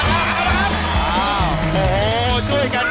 เอาล่ะครับครับ